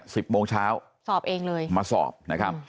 โสบเลยมาสอบเลยส่อบเลย